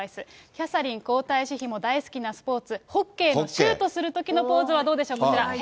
キャサリン皇太子妃も大好きなスポーツ、ホッケーのシュートするときのポーズはどうでしょうか。